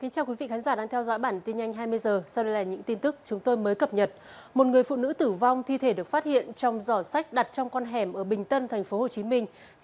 cảm ơn các bạn đã theo dõi